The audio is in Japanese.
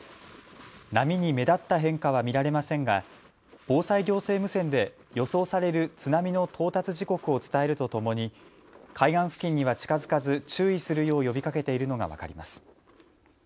波に目立った変化は見られませんが防災行政無線で予想される津波の到達時刻を伝えるとともに海岸付近には近づかず注意するよう呼びかけているのが分かります。